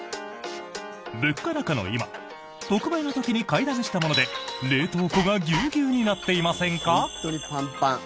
物価高の今特売の時に買いだめしたもので冷凍庫がぎゅうぎゅうになっていませんか？